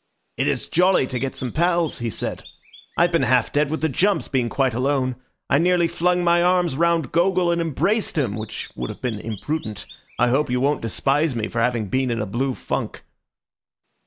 "It is jolly to get some pals," he said. "I've been half dead with the jumps, being quite alone. I nearly flung my arms round Gogol and embraced him, which would have been imprudent. I hope you won't despise me for having been in a blue funk."